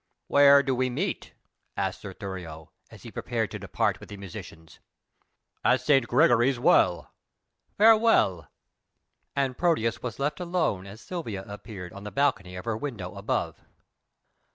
"Where do we meet?" asked Sir Thurio, as he prepared to depart with the musicians. "At St. Gregory's Well." "Farewell!" And Proteus was left alone as Silvia appeared on the balcony of her window above.